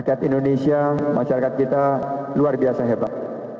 rakyat indonesia masyarakat kita luar biasa hebat